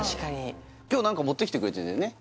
今日何か持ってきてくれてんだよね？